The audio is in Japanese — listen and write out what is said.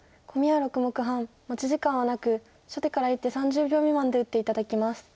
コミは６目半持ち時間はなく初手から１手３０秒未満で打って頂きます。